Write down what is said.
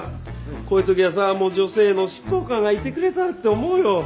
こういう時はさ女性の執行官がいてくれたらって思うよ。